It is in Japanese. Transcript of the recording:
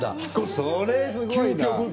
それすごいな。